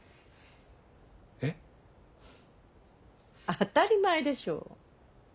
当たり前でしょう。